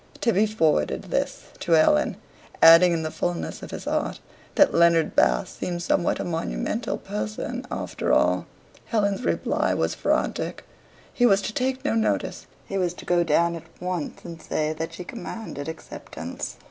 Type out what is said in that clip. Tibby forwarded this to Helen, adding in the fulness of his heart that Leonard Bast seemed somewhat a monumental person after all. Helen's reply was frantic. He was to take no notice. He was to go down at once and say that she commanded acceptance.